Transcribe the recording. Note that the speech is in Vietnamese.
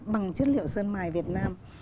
bằng chất liệu sơn mài việt nam